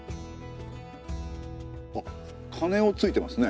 あ鐘をついてますね。